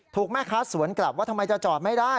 แม่ค้าสวนกลับว่าทำไมจะจอดไม่ได้